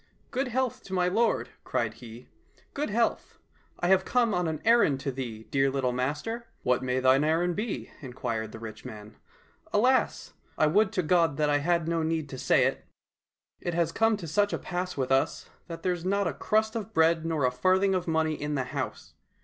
" Good health to my lord !" cried he.—" Good health !"—" I have come on an errand to thee, dear little master !"—" What may thine errand be ?" inquired the rich man. —" Alas ! would to God that I had no need to say it. It has come to such a pass with us that there's not a crust of bread nor a farthing of money in the house.